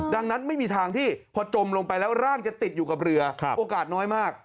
ดังนั้นไม่มีทางที่พอจมลงไปแล้วร่างจะติดอยู่กับเรือโอกาสน้อยมาก